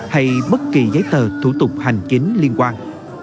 hay bất kỳ giấy tờ thủ tục hành chính liên quan